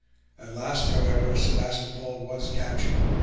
At last, however, Sebastopol was captured.